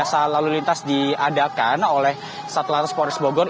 rekayasa lalu lintas diadakan oleh satu latas polres bogor